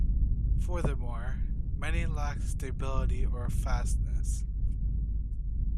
Furthermore, many lacked stability, or fastness.